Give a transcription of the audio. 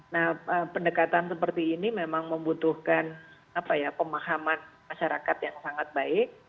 nah pendekatan seperti ini memang membutuhkan pemahaman masyarakat yang sangat baik